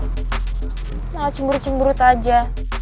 kenapa cemburu cemburu aja